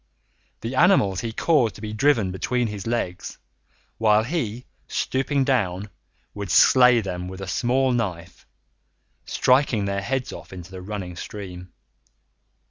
The animals he caused to be driven between his legs, while he, stooping down, would slay them with a small knife, striking their heads off into the running stream.